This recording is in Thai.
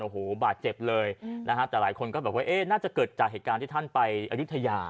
โอ้โหบาดเจ็บเลยนะฮะแต่หลายคนก็แบบว่าน่าจะเกิดจากเหตุการณ์ที่ท่านไปอายุทยา